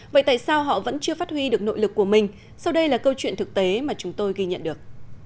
vậy tại sao họ vẫn chưa phát huy được nội lực của mình sau đây là câu chuyện thực tế mà chúng tôi ghi nhận được